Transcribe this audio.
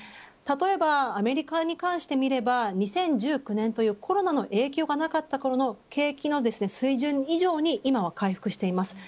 例えばアメリカに関して見れば２０１９年というコロナの影響がなかったころの景気の水準以上に今は回復しています。